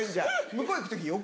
向こう行く時よ